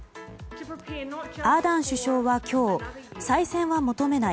アーダーン首相は今日、再選は求めない。